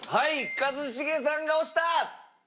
一茂さんが押した！